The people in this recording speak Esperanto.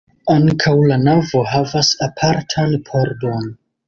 Ankaŭ la navo havas apartan pordon.